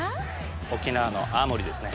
沖縄の泡盛ですね。